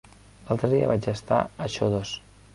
L'altre dia vaig estar a Xodos.